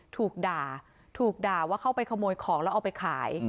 ถูกด่าถูกด่าว่าเข้าไปขโมยของแล้วเอาไปขาย